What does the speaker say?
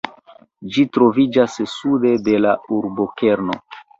Ĝi troviĝas sude de la urbokerno.